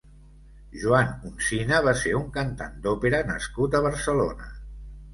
Joan Oncina va ser un cantant d'òpera nascut a Barcelona.